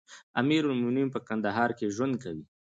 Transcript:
امير المؤمنين په کندهار کې ژوند کوي.